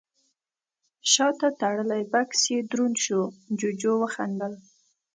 شاته تړلی بکس يې دروند شو، جُوجُو وخندل: